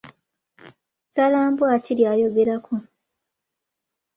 Ssalambwa ki ly’ayogerako?